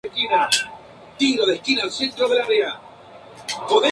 Revueltas era un gran admirador de Lorca y gustaba de recitar sus poemas.